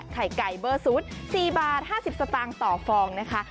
ไข่ไก่เบอร์ซูด๔บาท๕๐สตางค์ต่อฟองนะคะ